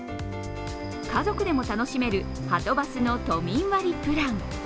家族でも楽しめるはとバスの都民割プラン。